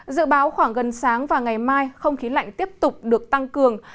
dự báo khoảng gần sáng và ngày mai không khí lạnh tiếp tục được tăng cường